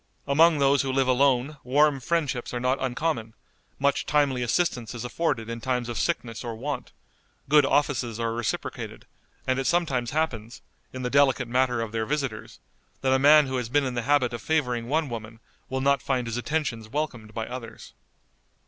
Among those who live alone warm friendships are not uncommon; much timely assistance is afforded in times of sickness or want; good offices are reciprocated; and it sometimes happens, in the delicate matter of their visitors, that a man who has been in the habit of favoring one woman will not find his attentions welcomed by others.